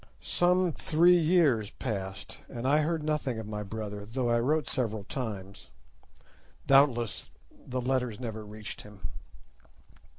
Some three years passed, and I heard nothing of my brother, though I wrote several times. Doubtless the letters never reached him.